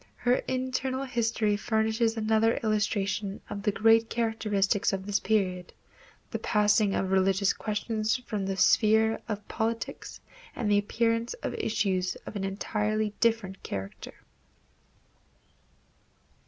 Her internal history furnishes another illustration of the great characteristic of this period, the passing of religious questions from the sphere of politics and the appearance of issues of an entirely different character.